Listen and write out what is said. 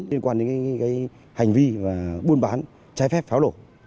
liên quan đến hành vi buôn bán trái phép pháo lộ